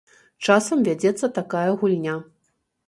Часам вядзецца такая гульня.